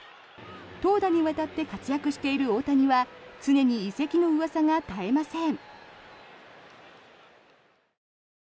投打にわたって活躍している大谷は常に移籍のうわさが絶えません。